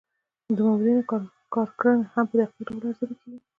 د مامورینو کارکړنه هم په دقیق ډول ارزیابي کیږي.